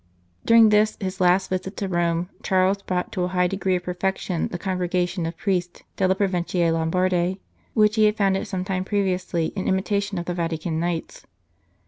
During this his last visit to Rome, Charles brought to a high degree of perfection the Congre gation of Priests delle Provincie Lombarde, which he had founded some time previously in imitation of the Vatican Nights.